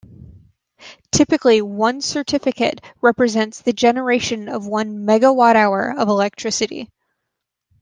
Typically one certificate represents the generation of one Megawatthour of electricity.